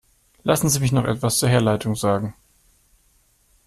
Lassen Sie mich noch etwas zur Herleitung sagen.